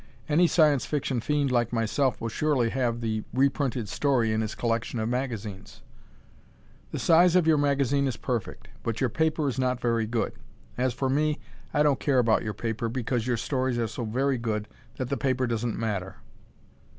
Any Science Fiction fiend like myself will surely have the reprinted story in his collection of magazines. The size of your magazine is perfect, but your paper is not very good. As for me, I don't care about your paper because your stories are so very good that the paper doesn't matter.